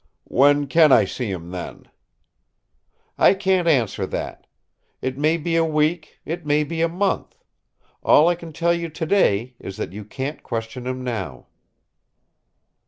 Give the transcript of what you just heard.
"When can I see him, then?" "I can't answer that. It may be a week; it may be a month. All I can tell you today is that you can't question him now."